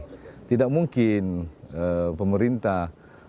jadi tidak mungkin pemerintah